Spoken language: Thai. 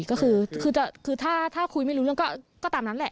ก็คือถ้าคุยไม่รู้เรื่องก็ตามนั้นแหละ